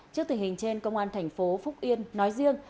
trước tình hình trên công an thành phố phúc yên nói riêng